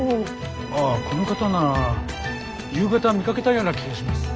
ああこの方なら夕方見かけたような気がします。